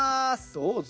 どうぞ！